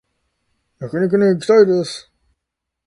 焼肉に行きたいです